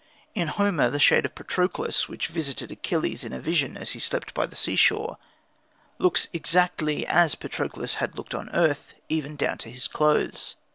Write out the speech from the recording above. In Homer the shade of Patroclus, which visited Achilles in a vision as he slept by the sea shore, looks exactly as Patroclus had looked on earth, even down to the clothes.